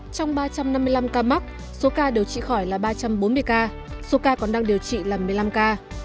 trong ba trăm năm mươi năm ca mắc số ca điều trị khỏi là ba trăm bốn mươi ca số ca còn đang điều trị là một mươi năm ca